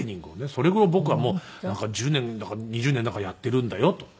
「それを僕はもう１０年だか２０年だかやっているんだよ」と。